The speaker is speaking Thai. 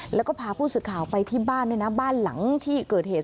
แล้วก็พาผู้ศึกข่าวไปที่บ้านบ้านหลังที่เกิดเหตุ